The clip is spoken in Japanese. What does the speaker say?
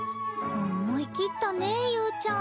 思い切ったね侑ちゃん。